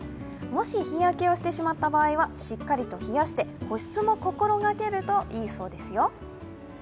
もし日焼けをしてしまった場合はしっかりと冷やして保湿も心がけるといいそうですよ。